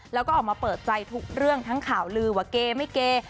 แล้วก็ออกมาเปิดใจทุกเรื่องทั้งข่าวลือว่าเกย์ไม่เกย์